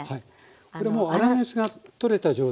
これもう粗熱が取れた状態ですよね？